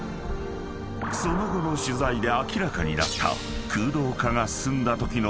［その後の取材で明らかになった］